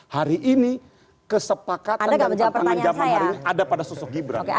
hari ini kesepakatan dan tantangan zaman hari ini ada pada sosok gibran